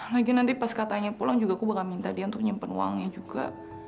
lagi nanti pas katanya pulang juga aku bakal minta dia untuk nyimpen uangnya juga